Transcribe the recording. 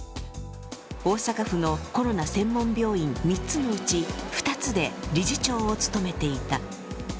大阪府のコロナ専門病院３つのうち２つで理事長を務めていた。